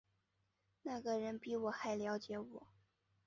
那个人比我还瞭解我